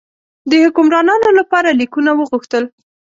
د حکمرانانو لپاره لیکونه وغوښتل.